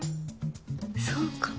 そうかな。